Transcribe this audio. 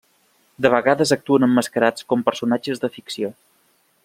De vegades actuen emmascarats com personatges de ficció.